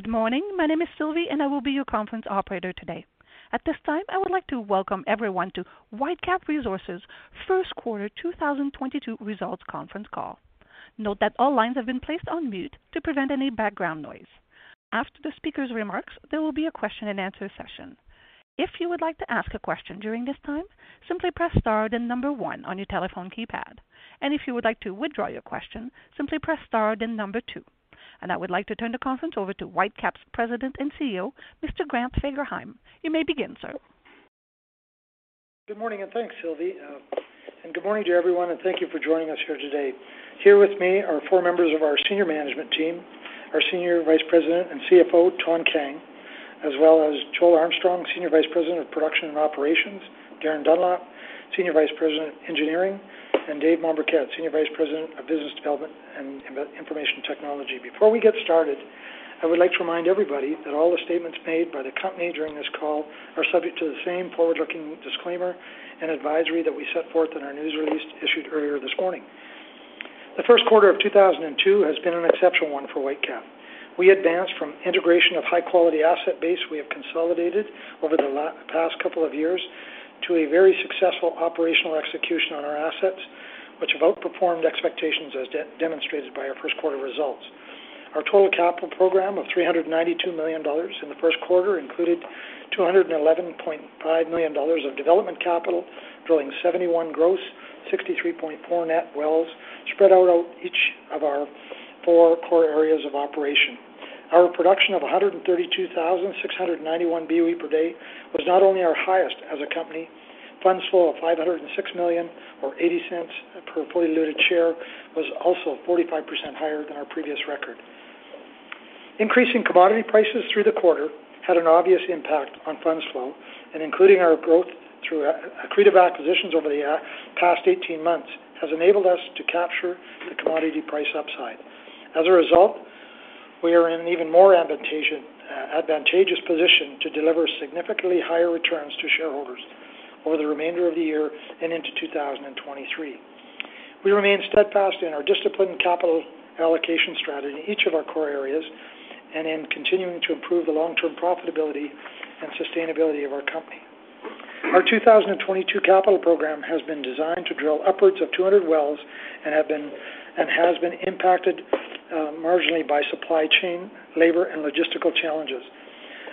Good morning. My name is Sylvie, and I will be your conference operator today. At this time, I would like to welcome everyone to Whitecap Resources' Q1 2022 results conference call. Note that all lines have been placed on mute to prevent any background noise. After the speaker's remarks, there will be a Q&A session. If you would like to ask a question during this time, simply press star then number one on your telephone keypad. If you would like to withdraw your question, simply press star then number two. I would like to turn the conference over to Whitecap's President and CEO, Mr. Grant Fagerheim. You may begin, sir. Good morning, and thanks, Sylvie. And good morning to everyone, and thank you for joining us here today. Here with me are four members of our senior management team, our Senior Vice President and CFO, Thanh Kang, as well as Joel Armstrong, Senior Vice President of Production and Operations, Darin Dunlop, Senior Vice President of Engineering, and Dave Mombourquette, Senior Vice President of Business Development and Information Technology. Before we get started, I would like to remind everybody that all the statements made by the company during this call are subject to the same forward-looking disclaimer and advisory that we set forth in our news release issued earlier this morning. The Q1 of 2002 has been an exceptional one for Whitecap. We advanced from integration of high-quality asset base we have consolidated over the past couple of years to a very successful operational execution on our assets, which have outperformed expectations as demonstrated by our Q1 results. Our total capital program of 392 million dollars in the Q1 included 211.5 million dollars of development capital, drilling 71 gross, 63.4 net wells spread out across each of our four core areas of operation. Our production of 132,691 BOE per day was not only our highest as a company. Funds flow of 506 million or 0.80 per fully diluted share was also 45% higher than our previous record. Increasing commodity prices through the quarter had an obvious impact on funds flow, and including our growth through accretive acquisitions over the past 18 months has enabled us to capture the commodity price upside. As a result, we are in an even more advantageous position to deliver significantly higher returns to shareholders over the remainder of the year and into 2023. We remain steadfast in our disciplined capital allocation strategy in each of our core areas and in continuing to improve the long-term profitability and sustainability of our company. Our 2022 capital program has been designed to drill upwards of 200 wells and has been impacted marginally by supply chain, labor, and logistical challenges.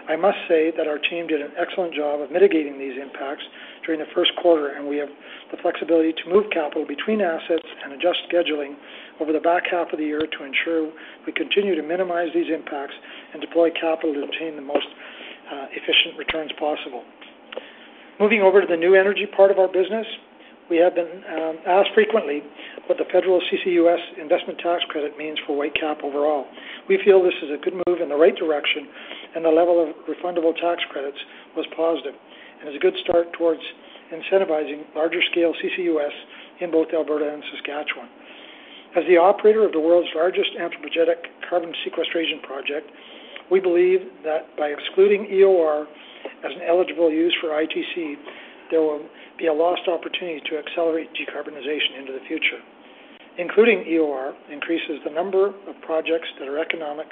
I must say that our team did an excellent job of mitigating these impacts during the Q1, and we have the flexibility to move capital between assets and adjust scheduling over the back half of the year to ensure we continue to minimize these impacts and deploy capital to obtain the most efficient returns possible. Moving over to the new energy part of our business, we have been asked frequently what the federal CCUS investment tax credit means for Whitecap overall. We feel this is a good move in the right direction and the level of refundable tax credits was positive, and is a good start towards incentivizing larger-scale CCUS in both Alberta and Saskatchewan. As the operator of the world's largest anthropogenic carbon sequestration project, we believe that by excluding EOR as an eligible use for ITC, there will be a lost opportunity to accelerate decarbonization into the future. Including EOR increases the number of projects that are economic,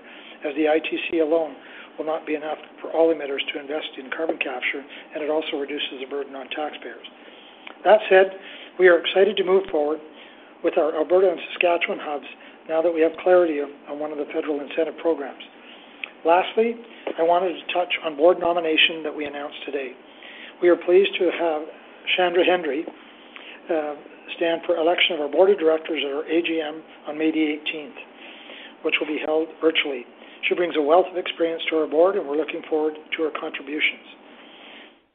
as the ITC alone will not be enough for all emitters to invest in carbon capture, and it also reduces the burden on taxpayers. That said, we are excited to move forward with our Alberta and Saskatchewan hubs now that we have clarity on one of the federal incentive programs. Lastly, I wanted to touch on board nomination that we announced today. We are pleased to have Chandra Henry stand for election of our board of directors at our AGM on May the 18th, which will be held virtually. She brings a wealth of experience to our board, and we're looking forward to her contributions.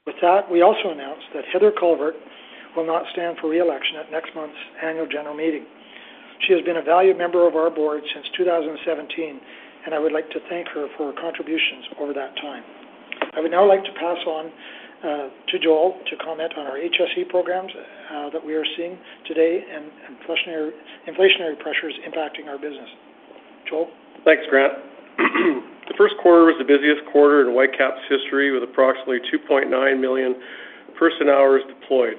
With that, we also announced that Heather Culbert will not stand for re-election at next month's annual general meeting. She has been a valued member of our board since 2017, and I would like to thank her for her contributions over that time. I would now like to pass on to Joel to comment on our HSE programs that we are seeing today and inflationary pressures impacting our business. Joel? Thanks, Grant. The Q1 was the busiest quarter in Whitecap's history, with approximately 2.9 million person-hours deployed,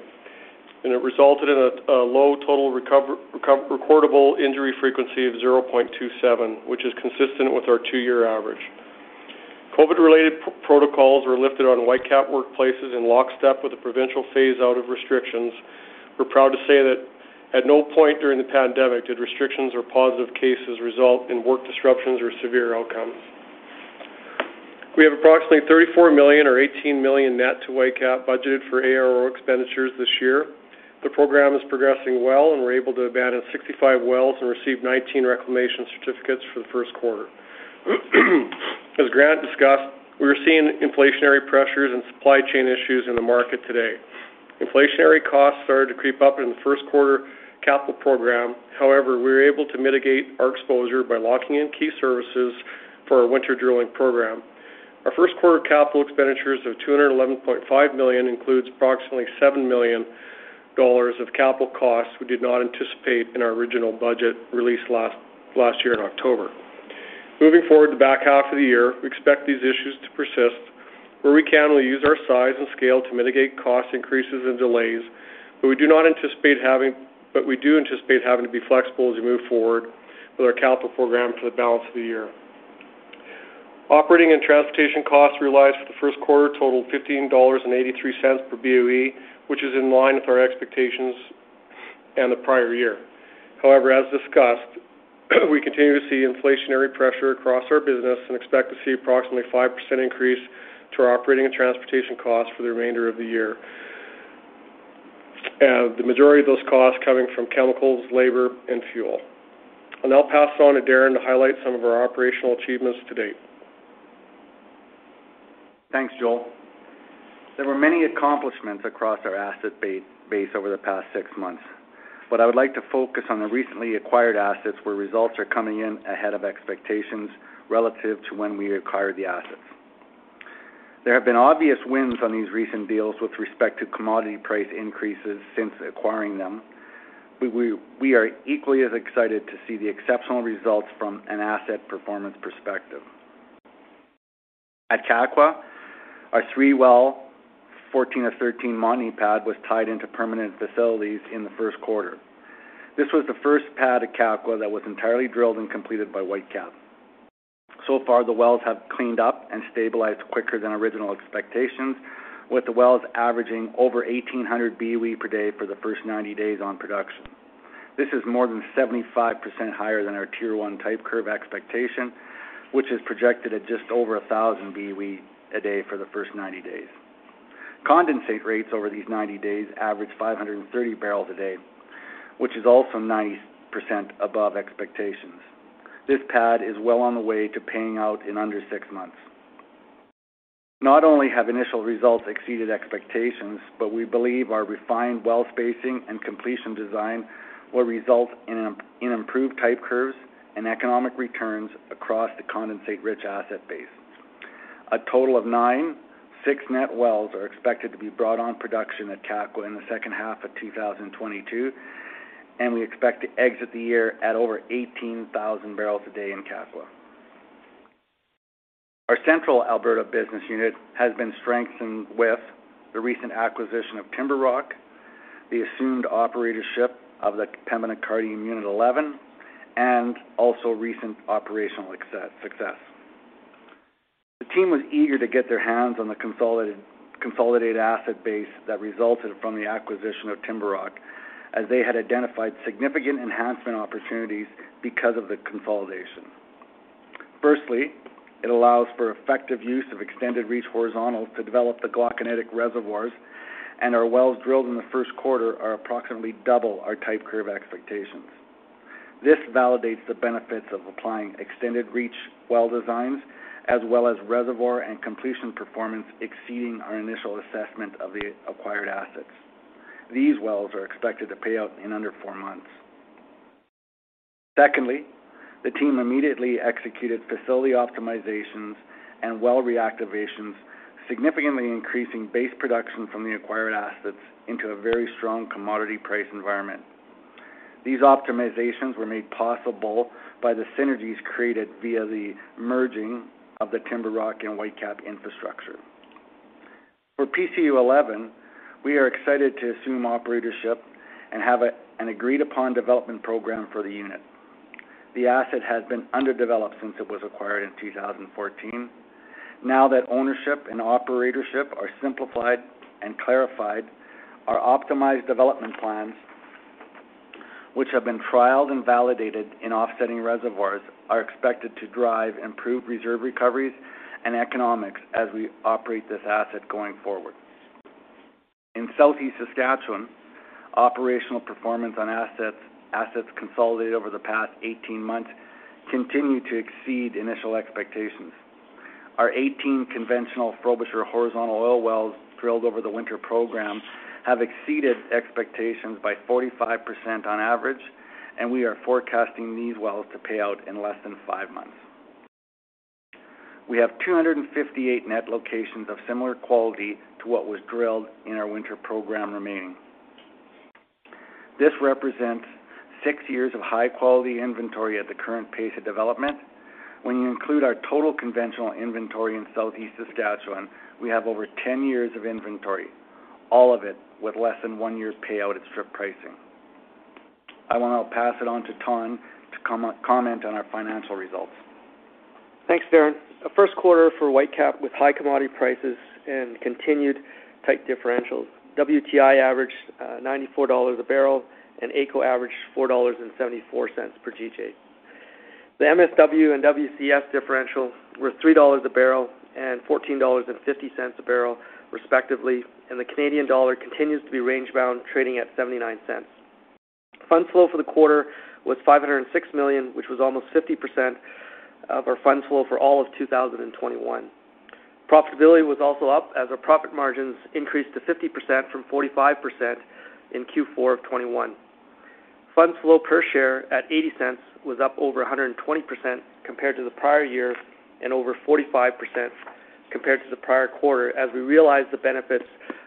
and it resulted in a low total recordable injury frequency of 0.27, which is consistent with our two-year average. COVID-related protocols were lifted on Whitecap workplaces in lockstep with the provincial phase-out of restrictions. We're proud to say that at no point during the pandemic did restrictions or positive cases result in work disruptions or severe outcomes. We have approximately 34 million or 18 million net to Whitecap budgeted for ARO expenditures this year. The program is progressing well, and we're able to abandon 65 wells and receive 19 reclamation certificates for the Q1. As Grant discussed, we're seeing inflationary pressures and supply chain issues in the market today. Inflationary costs started to creep up in the Q1 capital program. However, we were able to mitigate our exposure by locking in key services for our winter drilling program. Our Q1 capital expenditures of 211.5 million includes approximately 7 million dollars of capital costs we did not anticipate in our original budget released last year in October. Moving forward, the back half of the year, we expect these issues to persist. Where we can, we'll use our size and scale to mitigate cost increases and delays, but we do anticipate having to be flexible as we move forward with our capital program for the balance of the year. Operating and transportation costs realized for the Q1 totaled 15.83 dollars per BOE, which is in line with our expectations and the prior year. However, as discussed, we continue to see inflationary pressure across our business and expect to see approximately 5% increase to our operating and transportation costs for the remainder of the year. The majority of those costs coming from chemicals, labor, and fuel. I'll now pass it on to Darin to highlight some of our operational achievements to date. Thanks, Joel. There were many accomplishments across our asset base over the past six months, but I would like to focus on the recently acquired assets where results are coming in ahead of expectations relative to when we acquired the assets. There have been obvious wins on these recent deals with respect to commodity price increases since acquiring them. We are equally as excited to see the exceptional results from an asset performance perspective. At Kakwa, our 3-well 14-R-13 Montney pad was tied into permanent facilities in the Q1. This was the first pad at Kakwa that was entirely drilled and completed by Whitecap. So far, the wells have cleaned up and stabilized quicker than original expectations, with the wells averaging over 1,800 BOE per day for the first 90 days on production. This is more than 75% higher than our tier one type curve expectation, which is projected at just over 1,000 BOE a day for the first 90 days. Condensate rates over these 90 days average 530 barrels a day, which is also 90% above expectations. This pad is well on the way to paying out in under 6 months. Not only have initial results exceeded expectations, but we believe our refined well spacing and completion design will result in improved type curves and economic returns across the condensate-rich asset base. A total of 96 net wells are expected to be brought on production at Kakwa in the H2 of 2022, and we expect to exit the year at over 18,000 barrels a day in Kakwa. Our Central Alberta business unit has been strengthened with the recent acquisition of TimberRock, the assumed operatorship of the Pembina Cardium Unit Eleven, and also recent operational success. The team was eager to get their hands on the consolidated asset base that resulted from the acquisition of TimberRock, as they had identified significant enhancement opportunities because of the consolidation. Firstly, it allows for effective use of extended reach horizontals to develop the Glauconitic reservoirs, and our wells drilled in the Q1 are approximately double our type curve expectations. This validates the benefits of applying extended reach well designs as well as reservoir and completion performance exceeding our initial assessment of the acquired assets. These wells are expected to pay out in under four months. Secondly, the team immediately executed facility optimizations and well reactivations, significantly increasing base production from the acquired assets into a very strong commodity price environment. These optimizations were made possible by the synergies created via the merging of the TimberRock and Whitecap infrastructure. For PCU-11, we are excited to assume operatorship and have an agreed-upon development program for the unit. The asset has been underdeveloped since it was acquired in 2014. Now that ownership and operatorship are simplified and clarified, our optimized development plans, which have been trialed and validated in offsetting reservoirs, are expected to drive improved reserve recoveries and economics as we operate this asset going forward. In Southeast Saskatchewan, operational performance on assets consolidated over the past 18 months continues to exceed initial expectations. Our 18 conventional Frobisher horizontal oil wells drilled over the winter program have exceeded expectations by 45% on average, and we are forecasting these wells to pay out in less than 5 months. We have 258 net locations of similar quality to what was drilled in our winter program remaining. This represents 6 years of high-quality inventory at the current pace of development. When you include our total conventional inventory in Southeast Saskatchewan, we have over 10 years of inventory, all of it with less than 1 year's payout at strip pricing. I want to pass it on to Thanh Kang to comment on our financial results. Thanks, Darin. Q1 for Whitecap with high commodity prices and continued tight differentials. WTI averaged $94 a barrel, and AECO averaged 4.74 dollars per GJ. The MSW and WCS differentials were 3 dollars a barrel and 14.50 dollars a barrel respectively, and the Canadian dollar continues to be range-bound, trading at 79 cents. Funds flow for the quarter was 506 million, which was almost 50% of our funds flow for all of 2021. Profitability was also up as our profit margins increased to 50% from 45% in Q4 of 2021. Funds flow per share at 0.80 was up over 120% compared to the prior year and over 45% compared to the prior quarter as we realized the benefits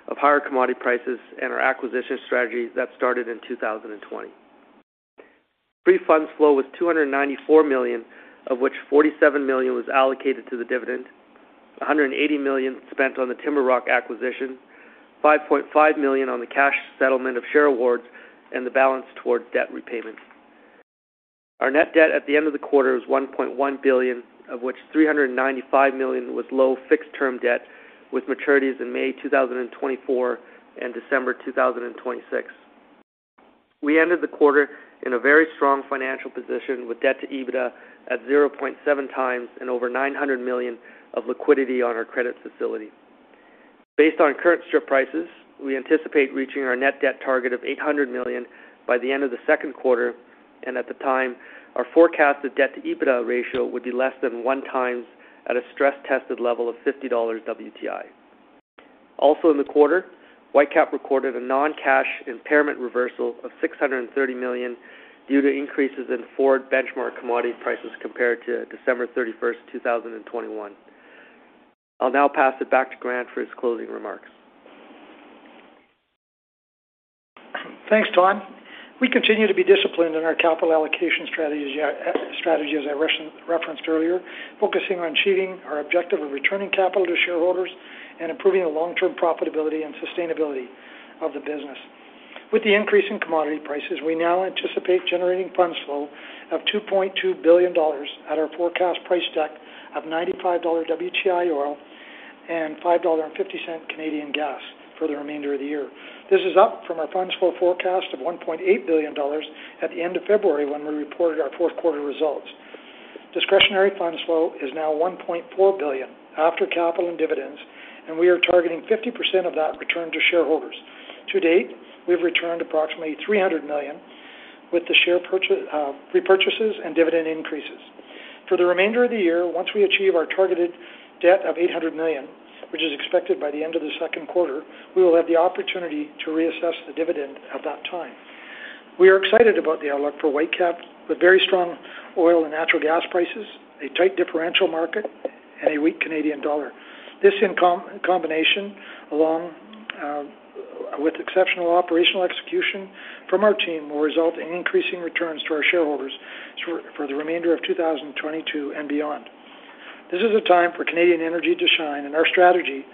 of higher commodity prices and our acquisition strategy that started in 2020. Free funds flow was 294 million, of which 47 million was allocated to the dividend, 180 million spent on the TimberRock acquisition, 5.5 million on the cash settlement of share awards, and the balance towards debt repayment. Our net debt at the end of the quarter was 1.1 billion, of which 395 million was low fixed-term debt with maturities in May 2024 and December 2026. We ended the quarter in a very strong financial position with debt to EBITDA at 0.7x and over 900 million of liquidity on our credit facility. Based on current strip prices, we anticipate reaching our net debt target of 800 million by the end of the Q2, and at the time, our forecasted debt-to-EBITDA ratio would be less than 1x at a stress-tested level of $50 WTI. Also in the quarter, Whitecap recorded a non-cash impairment reversal of 630 million due to increases in forward benchmark commodity prices compared to December 31, 2021. I'll now pass it back to Grant for his closing remarks. Thanks, Thanh Kang. We continue to be disciplined in our capital allocation strategy, as I referenced earlier, focusing on achieving our objective of returning capital to shareholders and improving the long-term profitability and sustainability of the business. With the increase in commodity prices, we now anticipate generating funds flow of 2.2 billion dollars at our forecast price deck of $95 WTI oil and 5.50 Canadian dollars Canadian gas for the remainder of the year. This is up from our funds flow forecast of 1.8 billion dollars at the end of February when we reported our Q4 results. Discretionary funds flow is now 1.4 billion after capital and dividends, and we are targeting 50% of that return to shareholders. To date, we've returned approximately 300 million with the share repurchases and dividend increases. For the remainder of the year, once we achieve our targeted debt of 800 million, which is expected by the end of the Q2, we will have the opportunity to reassess the dividend at that time. We are excited about the outlook for Whitecap with very strong oil and natural gas prices, a tight differential market, and a weak Canadian dollar. This in combination along with exceptional operational execution from our team will result in increasing returns to our shareholders for the remainder of 2022 and beyond. This is a time for Canadian energy to shine, and our strategy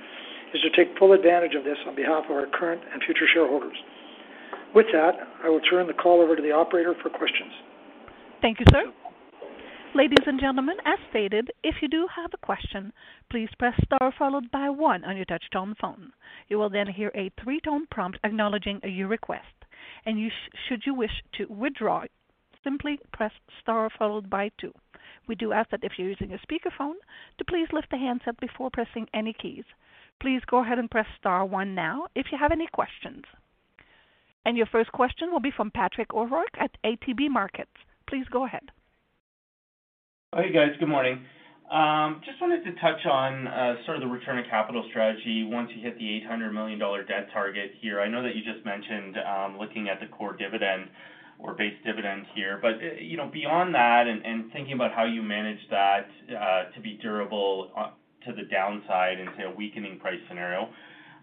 is to take full advantage of this on behalf of our current and future shareholders. With that, I will turn the call over to the operator for questions. Thank you, sir. Ladies and gentlemen, as stated, if you do have a question, please press star followed by 1 on your touch-tone phone. You will then hear a 3-tone prompt acknowledging your request. Should you wish to withdraw, simply press star followed by 2. We do ask that if you're using a speakerphone to please lift the handset before pressing any keys. Please go ahead and press star 1 now if you have any questions. Your first question will be from Patrick O'Rourke at ATB Capital Markets. Please go ahead. Hey, guys. Good morning. Just wanted to touch on sort of the return of capital strategy once you hit the 800 million dollar debt target here. I know that you just mentioned looking at the core dividend or base dividend here, but you know, beyond that and thinking about how you manage that to be durable to the downside into a weakening price scenario,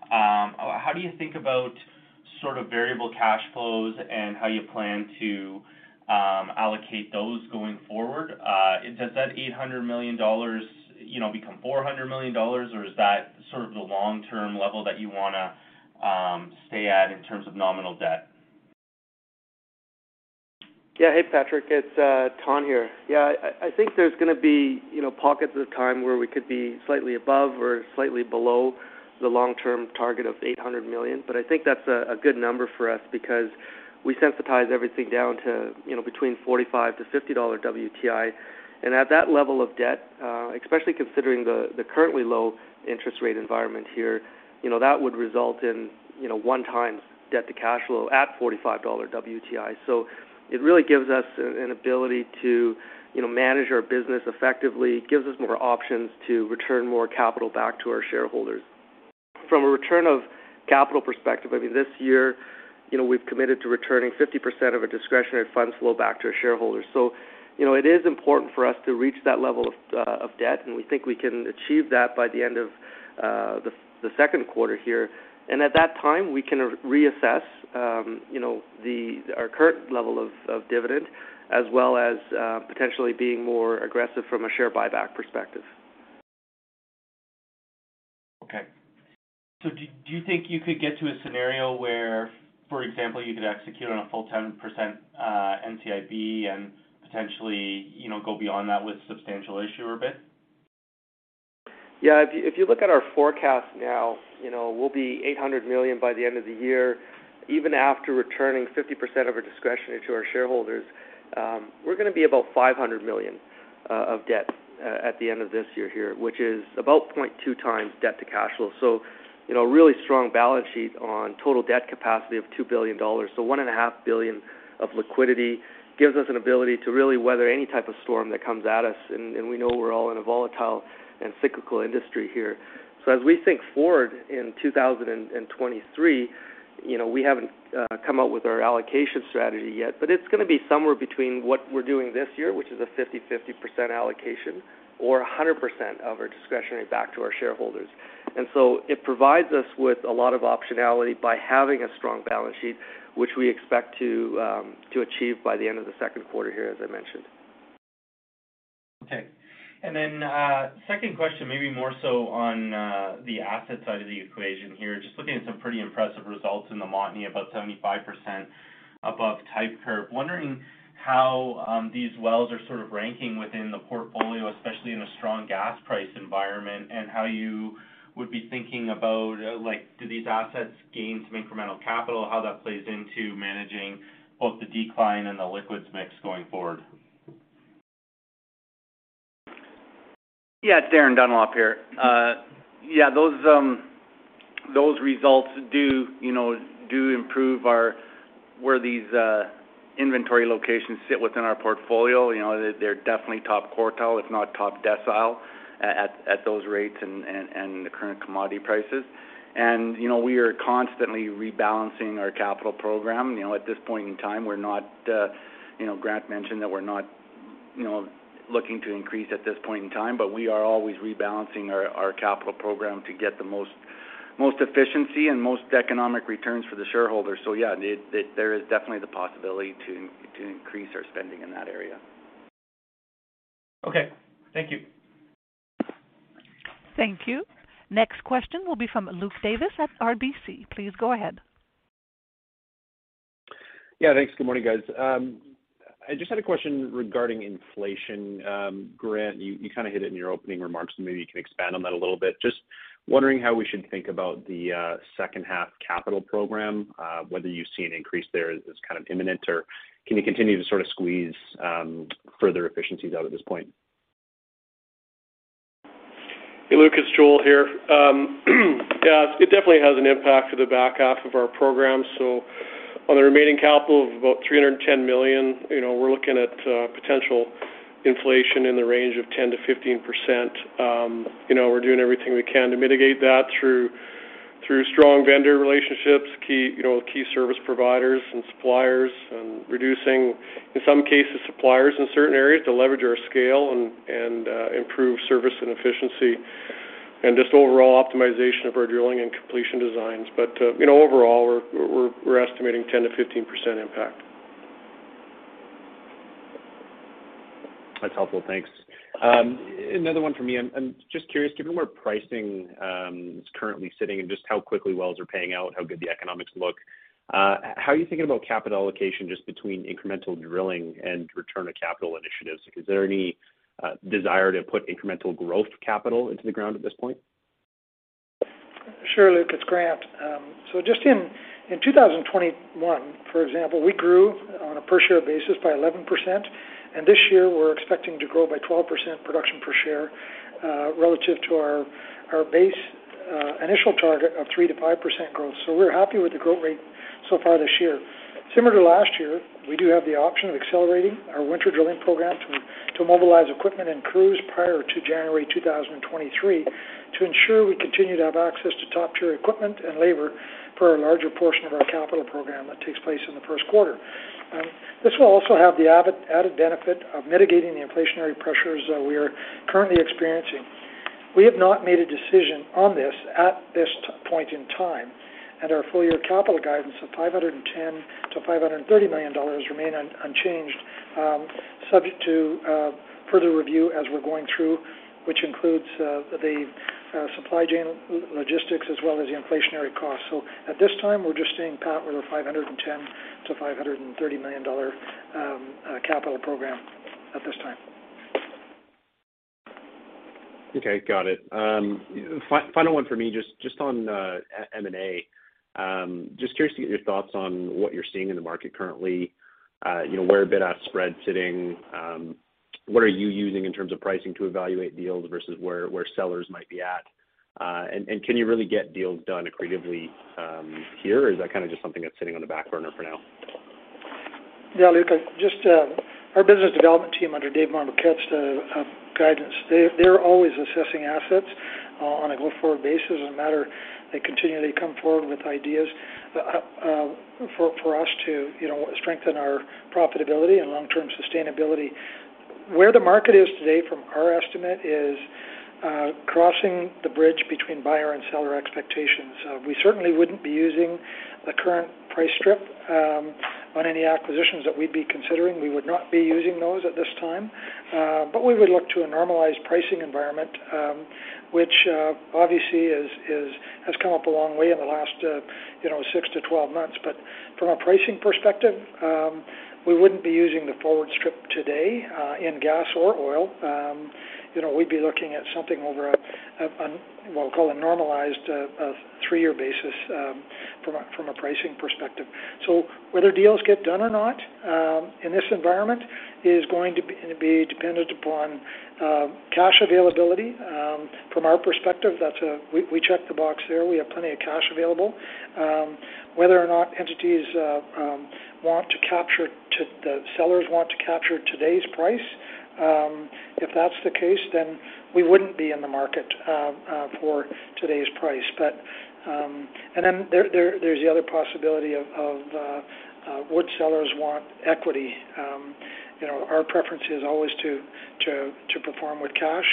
how do you think about sort of variable cash flows and how you plan to allocate those going forward? Does that 800 million dollars become 400 million dollars, or is that sort of the long-term level that you wanna stay at in terms of nominal debt? Yeah. Hey, Patrick. It's Thanh Kang here. Yeah. I think there's gonna be, you know, pockets of time where we could be slightly above or slightly below the long-term target of 800 million. I think that's a good number for us because we sensitize everything down to, you know, between $45-$50 WTI. At that level of debt, especially considering the currently low interest rate environment here, you know, that would result in, you know, 1x debt to cash flow at $45 WTI. It really gives us an ability to, you know, manage our business effectively. It gives us more options to return more capital back to our shareholders. From a return of capital perspective, I mean, this year, you know, we've committed to returning 50% of our discretionary funds flow back to our shareholders. You know, it is important for us to reach that level of debt, and we think we can achieve that by the end of the Q2 here. At that time, we can reassess our current level of dividend as well as potentially being more aggressive from a share buyback perspective. Okay. Do you think you could get to a scenario where, for example, you could execute on a full 10% NCIB and potentially, you know, go beyond that with substantial issuer bid? Yeah. If you look at our forecast now, you know, we'll be 800 million by the end of the year. Even after returning 50% of our discretionary to our shareholders, we're gonna be about 500 million of debt at the end of this year here, which is about 0.2x debt to cash flow. You know, a really strong balance sheet on total debt capacity of 2 billion dollars. One and a half billion of liquidity gives us an ability to really weather any type of storm that comes at us, and we know we're all in a volatile and cyclical industry here. As we think forward in 2023, you know, we haven't come out with our allocation strategy yet, but it's gonna be somewhere between what we're doing this year, which is a 50/50% allocation, or 100% of our discretionary back to our shareholders. It provides us with a lot of optionality by having a strong balance sheet, which we expect to achieve by the end of the Q2 here, as I mentioned. Okay. Second question, maybe more so on the asset side of the equation here, just looking at some pretty impressive results in the Montney, about 75% above type curve. Wondering how these wells are sort of ranking within the portfolio, especially in a strong gas price environment, and how you would be thinking about, like, do these assets gain some incremental capital, how that plays into managing both the decline and the liquids mix going forward? Yeah. Darin Dunlop here. Yeah, those results do, you know, improve where these inventory locations sit within our portfolio. You know, they're definitely top quartile, if not top decile at those rates and the current commodity prices. You know, we are constantly rebalancing our capital program. You know, at this point in time, we're not, you know, Grant mentioned that we're not, you know, looking to increase at this point in time, but we are always rebalancing our capital program to get the most efficiency and most economic returns for the shareholders. Yeah, there is definitely the possibility to increase our spending in that area. Okay. Thank you. Thank you. Next question will be from Luke Davis at RBC. Please go ahead. Yeah, thanks. Good morning, guys. I just had a question regarding inflation. Grant, you kind of hit it in your opening remarks, and maybe you can expand on that a little bit. Just wondering how we should think about the H2 capital program, whether you see an increase there as kind of imminent, or can you continue to sort of squeeze further efficiencies out at this point? Hey, Luke. It's Joel here. Yeah, it definitely has an impact for the back half of our program. On the remaining capital of about 310 million, you know, we're looking at potential inflation in the range of 10% to15%. You know, we're doing everything we can to mitigate that through strong vendor relationships, key service providers and suppliers, and reducing, in some cases, suppliers in certain areas to leverage our scale and improve service and efficiency, and just overall optimization of our drilling and completion designs. You know, overall, we're estimating 10% to 15% impact. That's helpful. Thanks. Another one for me. I'm just curious, given where pricing is currently sitting and just how quickly wells are paying out, how good the economics look, how are you thinking about capital allocation just between incremental drilling and return of capital initiatives? Is there any desire to put incremental growth capital into the ground at this point? Sure, Luke. It's Grant. Just in 2021, for example, we grew on a per share basis by 11%, and this year, we're expecting to grow by 12% production per share, relative to our base initial target of 3% to 5% growth. We're happy with the growth rate so far this year. Similar to last year, we do have the option of accelerating our winter drilling program to mobilize equipment and crews prior to January 2023 to ensure we continue to have access to top-tier equipment and labor for a larger portion of our capital program that takes place in the Q1. This will also have the added benefit of mitigating the inflationary pressures that we are currently experiencing. We have not made a decision on this at this point in time, and our full year capital guidance of 510 million to 530 million dollars remain unchanged, subject to further review as we're going through, which includes the supply chain logistics as well as the inflationary costs. At this time, we're just staying pat with a 510 million to 530 million-dollar capital program at this time. Okay. Got it. Final one for me, just on M&A. Just curious to get your thoughts on what you're seeing in the market currently, you know, where bid-ask spread sitting, what are you using in terms of pricing to evaluate deals versus where sellers might be at, and can you really get deals done creatively, here, or is that kind of just something that's sitting on the back burner for now? Yeah, Luke. Just, our business development team under Dave Mombourquette have guidance. They're always assessing assets on a go-forward basis. As a matter, they continually come forward with ideas for us to, you know, strengthen our profitability and long-term sustainability. Where the market is today from our estimate is crossing the bridge between buyer and seller expectations. We certainly wouldn't be using the current price strip on any acquisitions that we'd be considering. We would not be using those at this time. We would look to a normalized pricing environment, which obviously has come up a long way in the last 6-12 months. From a pricing perspective, we wouldn't be using the forward strip today in gas or oil. You know, we'd be looking at something over a normalized three-year basis from a pricing perspective. Whether deals get done or not in this environment is going to be dependent upon cash availability. From our perspective, that's a check. We check the box there. We have plenty of cash available. Whether or not entities want to capture, the sellers want to capture today's price, if that's the case, then we wouldn't be in the market for today's price. There's the other possibility. Would sellers want equity? You know, our preference is always to perform with cash,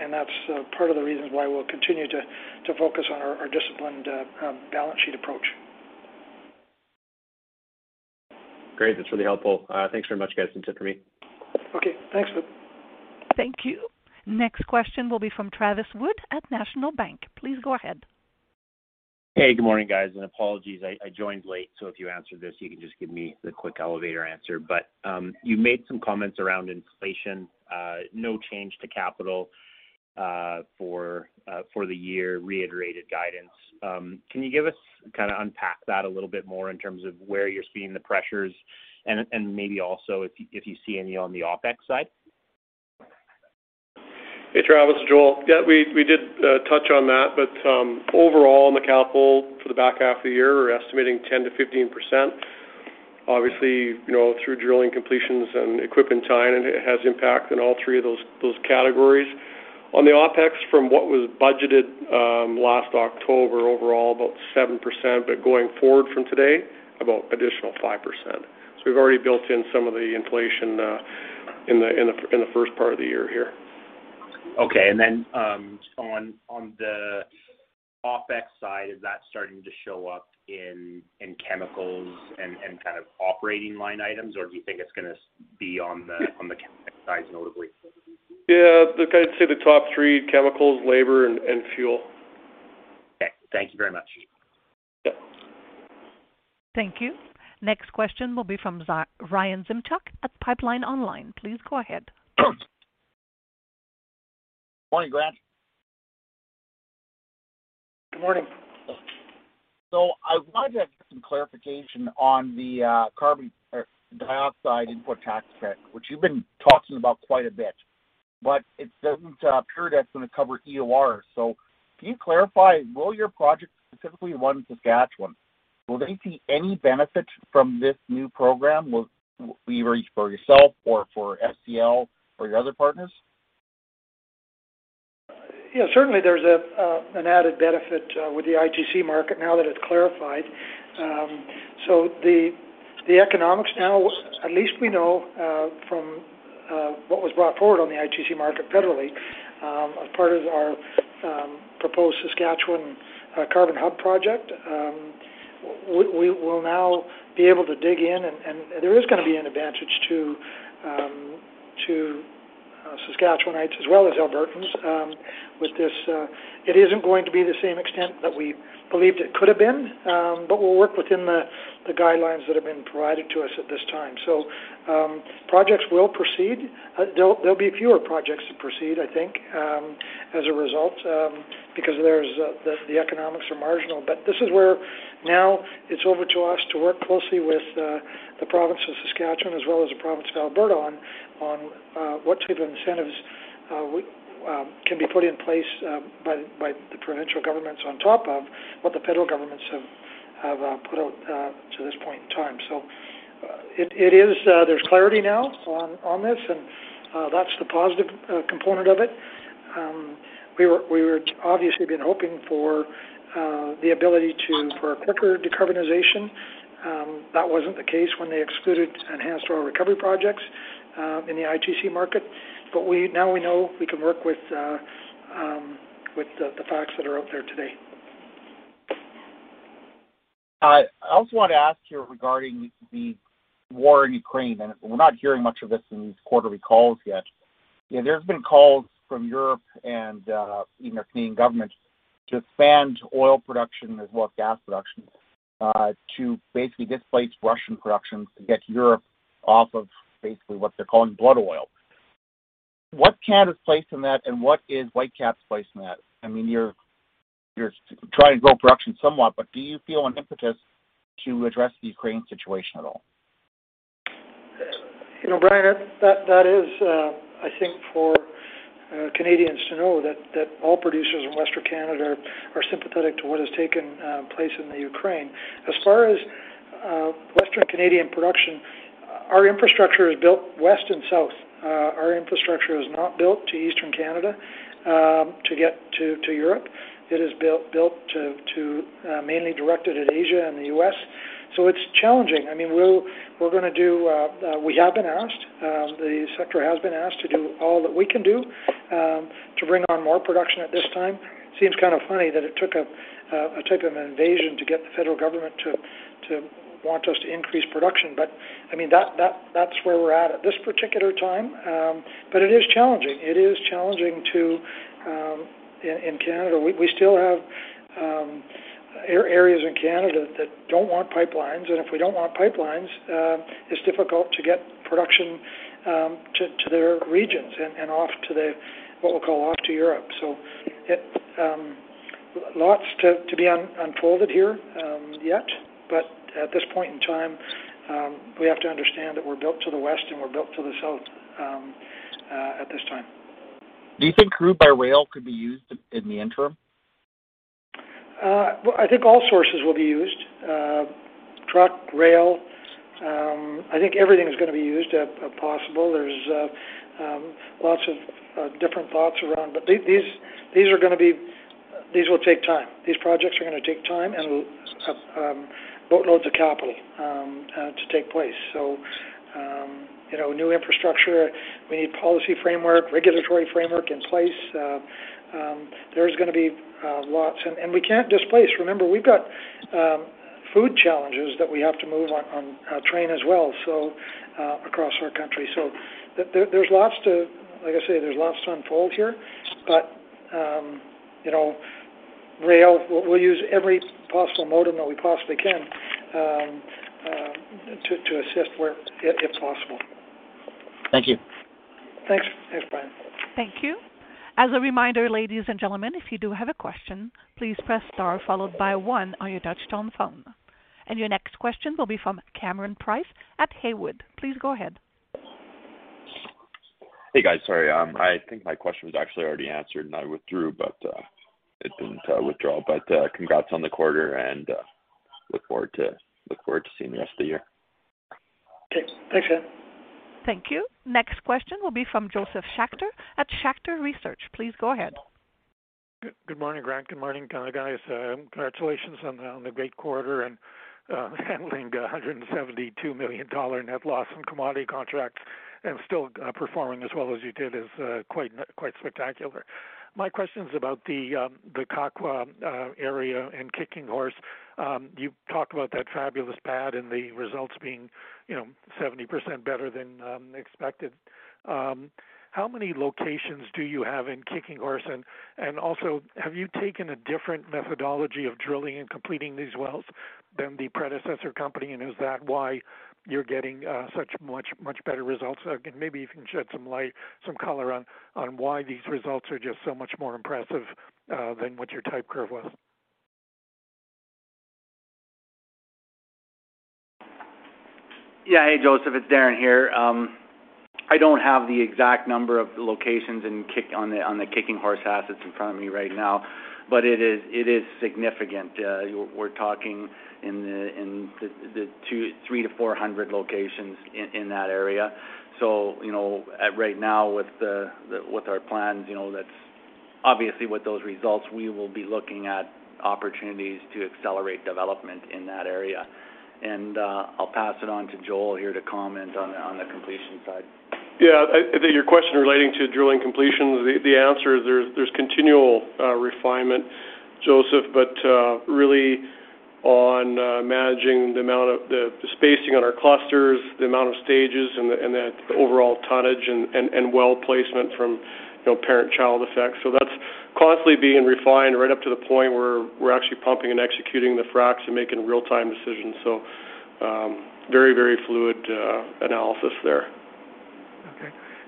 and that's part of the reasons why we'll continue to focus on our disciplined balance sheet approach. Great. That's really helpful. Thanks very much, guys. That's it for me. Okay, thanks, Phil. Thank you. Next question will be from Travis Wood at National Bank Financial. Please go ahead. Hey, good morning, guys, and apologies I joined late, so if you answered this, you can just give me the quick elevator answer. You made some comments around inflation, no change to capital, for the year reiterated guidance. Can you give us kinda unpack that a little bit more in terms of where you're seeing the pressures and maybe also if you see any on the OpEx side? Hey, Travis. Joel. Yeah, we did touch on that, but overall, on the capital for the back half of the year, we're estimating 10% to 15%. Obviously, you know, through drilling completions and equipment tie-in, it has impact in all three of those categories. On the OpEx from what was budgeted last October, overall, about 7%, but going forward from today, about additional 5%. We've already built in some of the inflation in the first part of the year here. Okay. On the OpEx side, is that starting to show up in chemicals and kind of operating line items? Or do you think it's gonna be on the CapEx side notably? Yeah. Look, I'd say the top three, chemicals, labor, and fuel. Okay. Thank you very much. Yeah. Thank you. Next question will be from Brian Zinchuk at Pipeline Online. Please go ahead. Morning, Grant. Good morning. I wanted to get some clarification on the carbon dioxide investment tax credit, which you've been talking about quite a bit, but it doesn't appear that's gonna cover EOR. Can you clarify, will your project, specifically the one in Saskatchewan, see any benefit from this new program, whether it's for yourself or for FCL or your other partners? Yeah. Certainly, there's an added benefit with the ITC market now that it's clarified. The economics now, at least we know, from what was brought forward on the ITC market federally, as part of our proposed Saskatchewan Carbon Hub project, we will now be able to dig in, and there is gonna be an advantage to Saskatchewanites as well as Albertans with this. It isn't going to be the same extent that we believed it could have been, but we'll work within the guidelines that have been provided to us at this time. Projects will proceed. There'll be fewer projects to proceed, I think, as a result, because the economics are marginal. This is where now it's over to us to work closely with the province of Saskatchewan as well as the province of Alberta on what type of incentives we can be put in place by the provincial governments on top of what the federal governments have put out to this point in time. There's clarity now on this, and that's the positive component of it. We were obviously been hoping for the ability to for a quicker decarbonization. That wasn't the case when they excluded enhanced oil recovery projects in the ITC market. Now we know we can work with the facts that are out there today. I also want to ask you regarding the war in Ukraine, and we're not hearing much of this in these quarterly calls yet. You know, there's been calls from Europe and even our Canadian government to expand oil production as well as gas production to basically displace Russian production to get Europe off of basically what they're calling blood oil. What's Canada's place in that, and what is Whitecap's place in that? I mean, you're trying to grow production somewhat, but do you feel an impetus to address the Ukraine situation at all? You know, Brian, that is, I think for Canadians to know that all producers in Western Canada are sympathetic to what has taken place in Ukraine. As far as Western Canadian production, our infrastructure is built west and south. Our infrastructure is not built to Eastern Canada, to get to Europe. It is built to mainly directed at Asia and the U.S. It's challenging. I mean, we have been asked, the sector has been asked to do all that we can do, to bring on more production at this time. Seems kind of funny that it took a type of an invasion to get the federal government to want us to increase production. I mean, that's where we're at this particular time. It is challenging. It is challenging to in Canada, we still have areas in Canada that don't want pipelines, and if we don't want pipelines, it's difficult to get production to their regions and off to the what we'll call off to Europe. Lots to be unfolded here yet. At this point in time, we have to understand that we're built to the west and we're built to the south at this time. Do you think crude by rail could be used in the interim? Well, I think all sources will be used. Truck, rail, I think everything is gonna be used if possible. There's lots of different thoughts around. These will take time. These projects are gonna take time and boatloads of capital to take place. You know, new infrastructure, we need policy framework, regulatory framework in place. There's gonna be lots. We can't displace. Remember, we've got freight challenges that we have to move on train as well across our country. There's lots to unfold here, but you know, rail, we'll use every possible mode that we possibly can to assist where it's possible. Thank you. Thanks. Thanks, Brian. Thank you. As a reminder, ladies and gentlemen, if you do have a question, please press star followed by one on your touchtone phone. Your next question will be from Cameron Price at Haywood. Please go ahead. Hey, guys. Sorry, I think my question was actually already answered and I withdrew, but it didn't withdraw. Congrats on the quarter and look forward to seeing the rest of the year. Okay. Thanks, Cameron. Thank you. Next question will be from Josef Schachter at Schachter Energy Research. Please go ahead. Good morning, Grant. Good morning, guys. Congratulations on the great quarter and handling 172 million dollar net loss on commodity contracts and still performing as well as you did is quite spectacular. My question's about the Kakwa area and Kicking Horse. You talked about that fabulous pad and the results being 70% better than expected. How many locations do you have in Kicking Horse? And also, have you taken a different methodology of drilling and completing these wells than the predecessor company? And is that why you're getting so much better results? Maybe you can shed some light, some color on why these results are just so much more impressive than what your type curve was. Yeah. Hey, Josef, it's Darin here. I don't have the exact number of the locations on the Kicking Horse assets in front of me right now, but it is significant. We're talking in the 200 to 400 locations in that area. You know, right now with our plans, you know, that's obviously with those results, we will be looking at opportunities to accelerate development in that area. I'll pass it on to Joel here to comment on the completion side. Yeah. I think your question relating to drilling completions, the answer is there's continual refinement, Josef. Really on managing the amount of the spacing on our clusters, the amount of stages and that overall tonnage and well placement from, you know, parent-child effects. That's constantly being refined right up to the point where we're actually pumping and executing the fracs and making real-time decisions. Very, very fluid analysis there.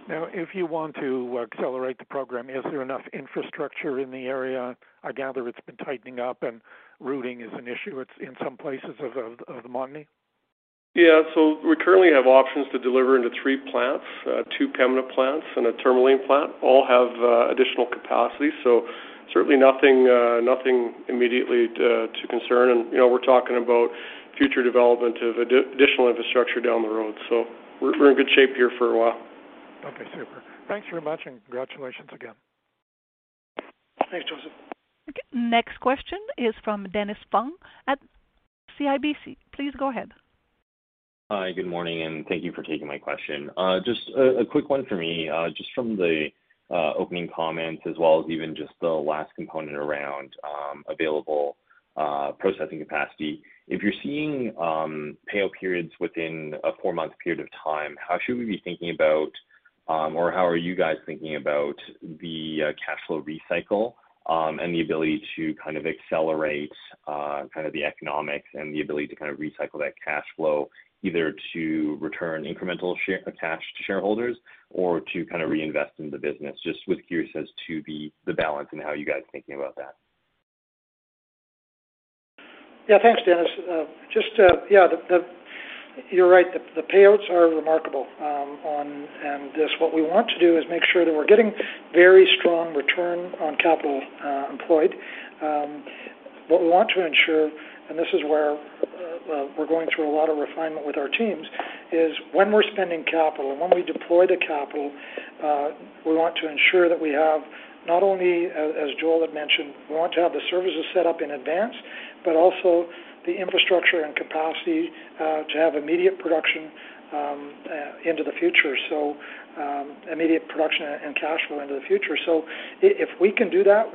Okay. Now, if you want to accelerate the program, is there enough infrastructure in the area? I gather it's been tightening up and routing is an issue. It's in some places out of the money. Yeah. We currently have options to deliver into three plants, two Pembina plants and a Tourmaline plant. All have additional capacity, so certainly nothing immediately to concern. You know, we're talking about future development of additional infrastructure down the road. We're in good shape here for a while. Okay, super. Thanks very much, and congratulations again. Thanks, Josef. Okay, next question is from Dennis Fong at CIBC. Please go ahead. Hi, good morning, and thank you for taking my question. Just a quick one for me, just from the opening comments as well as even just the last component around available processing capacity. If you're seeing payout periods within a four-month period of time, how should we be thinking about, or how are you guys thinking about the cash flow recycle, and the ability to kind of accelerate kind of the economics and the ability to kind of recycle that cash flow either to return incremental shares back to shareholders or to kind of reinvest in the business? Just was curious as to the balance and how you guys are thinking about that. Yeah, thanks, Dennis. Just yeah, the. You're right. The payouts are remarkable on. This, what we want to do is make sure that we're getting very strong return on capital employed. What we want to ensure, and this is where we're going through a lot of refinement with our teams, is when we're spending capital and when we deploy the capital, we want to ensure that we have not only, as Joel had mentioned, we want to have the services set up in advance, but also the infrastructure and capacity to have immediate production into the future. Immediate production and cash flow into the future. If we can do that.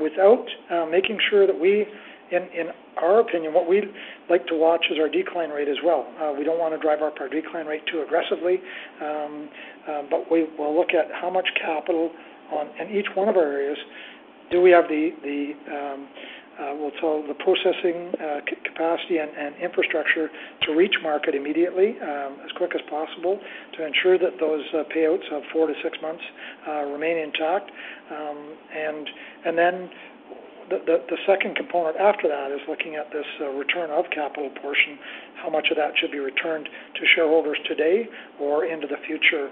In our opinion, what we'd like to watch is our decline rate as well. We don't wanna drive our per decline rate too aggressively, but we will look at how much capital in each one of our areas do we have the we'll call the processing capacity and infrastructure to reach market immediately, as quick as possible to ensure that those payouts of 4 to 6 months remain intact. Then the second component after that is looking at this return of capital portion, how much of that should be returned to shareholders today or into the future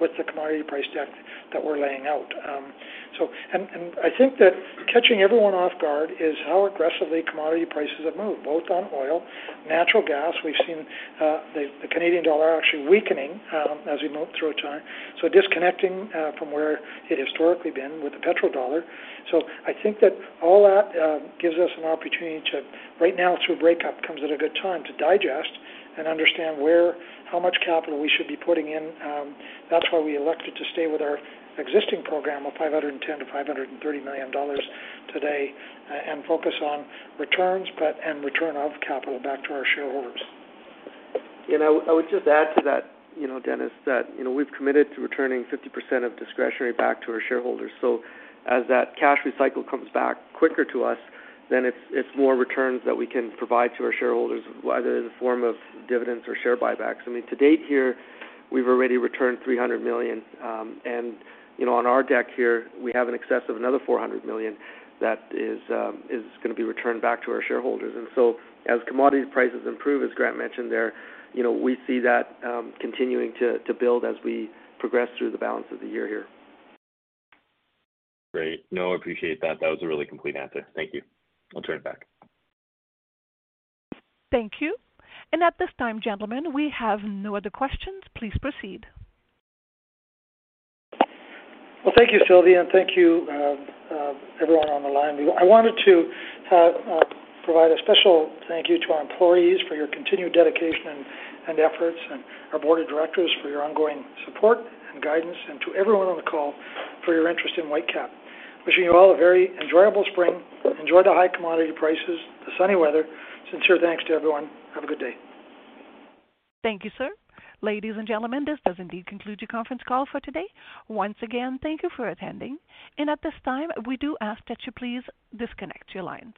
with the commodity price deck that we're laying out. I think that catching everyone off guard is how aggressively commodity prices have moved, both on oil, natural gas. We've seen the Canadian dollar actually weakening as we move through time, so disconnecting from where it historically been with the petrodollar. I think that all that gives us an opportunity to right now through breakup comes at a good time to digest and understand where how much capital we should be putting in. That's why we elected to stay with our existing program of 510 million-530 million dollars today and focus on returns, but and return of capital back to our shareholders. I would just add to that, you know, Dennis, that, you know, we've committed to returning 50% of discretionary back to our shareholders. As that cash recycle comes back quicker to us, then it's more returns that we can provide to our shareholders, whether in the form of dividends or share buybacks. I mean, to date here, we've already returned 300 million. You know, on our deck here, we have in excess of another 400 million that is gonna be returned back to our shareholders. As commodity prices improve, as Grant mentioned there, you know, we see that continuing to build as we progress through the balance of the year here. Great. No, I appreciate that. That was a really complete answer. Thank you. I'll turn it back. Thank you. At this time, gentlemen, we have no other questions. Please proceed. Well, thank you, Sylvie, and thank you, everyone on the line. I wanted to provide a special thank you to our employees for your continued dedication and efforts and our board of directors for your ongoing support and guidance and to everyone on the call for your interest in Whitecap. Wishing you all a very enjoyable spring. Enjoy the high commodity prices, the sunny weather. Sincere thanks to everyone. Have a good day. Thank you, sir. Ladies and gentlemen, this does indeed conclude your conference call for today. Once again, thank you for attending. At this time, we do ask that you please disconnect your line.